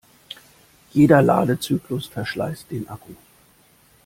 Jeder Ladezyklus verschleißt den Akku.